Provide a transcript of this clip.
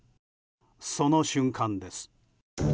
その瞬間です。